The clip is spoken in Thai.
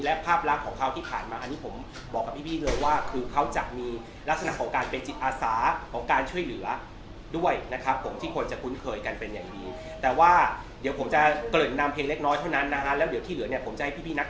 และภาพลักษณ์ของเขาที่ผ่านมาอันนี้ผมบอกกับพี่เลยว่าคือเขาจะมีลักษณะของการเป็นจิตอาสาของการช่วยเหลือด้วยนะครับผมที่คนจะคุ้นเคยกันเป็นอย่างดี